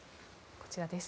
こちらです。